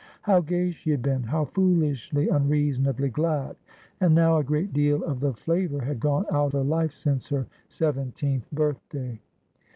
How gay she had been, how foolishly, unreasonably glad ! And now a great deal of the flavour had gone out of life since her seventeenth butLday.